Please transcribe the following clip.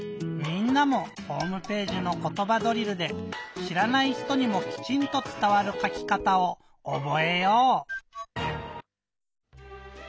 みんなもホームページの「ことばドリル」でしらない人にもきちんとつたわるかきかたをおぼえよう！